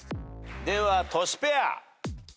ではトシペア。